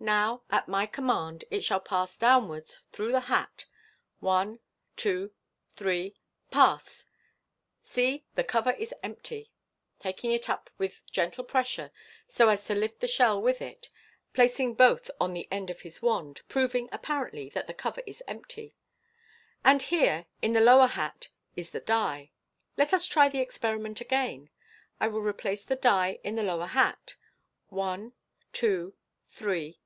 Now, at my command it shall pass downwards through the hat. One, two, three ! Pass ! See, the cover is empty" (taking it up with gentle pressure, so as to lift the shell with it, and placing both on the end of his wand, proving, apparently, that the cover is empty), " and here, in the lower hat, is the die. Let us try the experiment again. I will replace the die in the lower hat. One, two, three